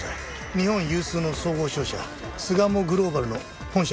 日本有数の総合商社巣鴨グローバルの本社